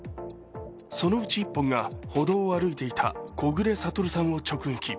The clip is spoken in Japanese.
そのうち１本が歩道を歩いていた木暮暁さんを直撃。